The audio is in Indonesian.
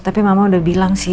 tapi mama udah bilang sih